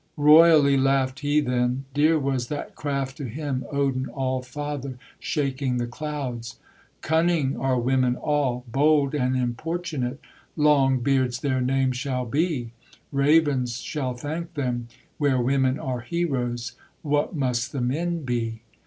Royally laughed he then; Dear was that craft to him, Odin Allfather, Shaking the clouds. 'Cunning are women all, Bold and importunate! Longbeards their name shall be, Ravens shall thank them: Where women are heroes, What must the men be?